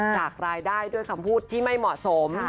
จากรายได้ด้วยคำพูดที่ไม่เหมาะสม